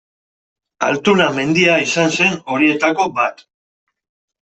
Altuna mendia izan zen horietako bat.